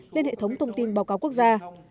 lên hệ thống thông tin báo cáo quốc gia